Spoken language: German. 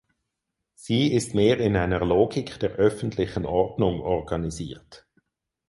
Sie ist mehr in einer Logik der öffentlichen Ordnung organisiert.